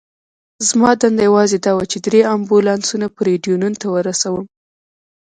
زما دنده یوازې دا وه، چې درې امبولانسونه پورډینون ته ورسوم.